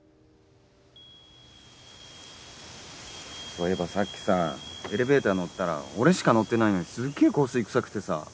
そういえばさっきさエレベーター乗ったら俺しか乗ってないのにすげえ香水臭くてさ